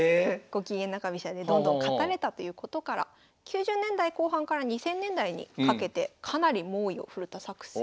ゴキゲン中飛車でどんどん勝たれたということから９０年代後半から２０００年代にかけてかなり猛威を振るった作戦。